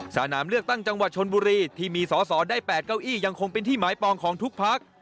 สนามเลือกตั้งจังหวัดชนบุรีที่มีสอสอได้๘เก้าอี้ยังคงเป็นที่หมายปองของทุกพัก